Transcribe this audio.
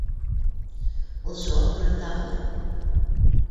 Ул шуға күрә тағы ла: